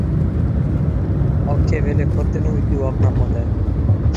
ناں ہکو آہری ، ناں سو کاری